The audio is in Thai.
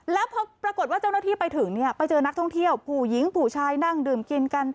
แล้วพอปรากฏว่าเจ้าหน้าที่ไปถึงเนี่ยไปเจอนักท่องเที่ยวผู้หญิงผู้ชายนั่งดื่มกินกัน